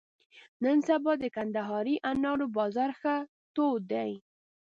نن سبا د کندهاري انارو بازار ښه تود دی.